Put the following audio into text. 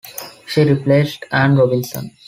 She replaced Anne Robinson.